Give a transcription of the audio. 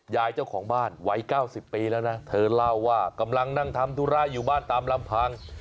ยายเจ้าของบ้านวัย๙๐ปีแล้วนะเธอเล่าว่ากำลังนั่งทำธุระอยู่บ้านตามลำพัง